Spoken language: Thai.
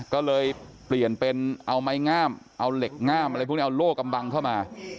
ก็เลยเปลี่ยนเป็นเอาไม้งามเอาเหล็กง่ามอะไรพวกนี้เอาโล่กำบังเข้ามา